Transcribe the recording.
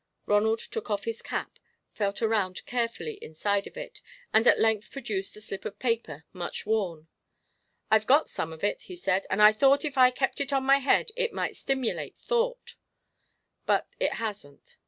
Ronald took off his cap, felt around carefully inside of it, and at length produced a slip of paper, much worn. "I've got some of it," he said, "and I thought if I kept it on my head it might stimulate thought, but it hasn't."